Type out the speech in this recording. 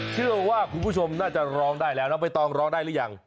เชื่อว่าคุณผู้ชมน่าจะร้องได้แล้วน้องใบตองร้องได้หรือยัง